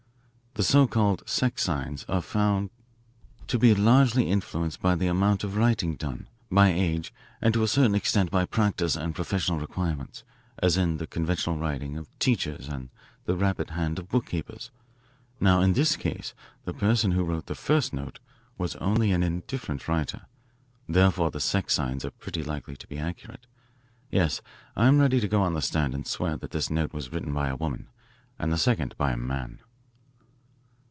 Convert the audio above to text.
The so called sex signs are found to be largely influenced by the amount of writing done, by age, and to a certain extent by practice and professional requirements, as in the conventional writing of teachers and the rapid hand of bookkeepers. Now in this case the person who wrote the first note was only an indifferent writer. Therefore the sex signs are pretty likely to be accurate. Yes, I'm ready to go on the stand and swear that this note was written by a woman and the second by a man."